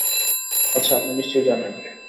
আচ্ছা, আপনি নিশ্চয় জানেন।